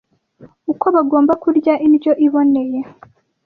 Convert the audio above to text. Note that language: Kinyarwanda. uko bagomba kurya indyo iboneye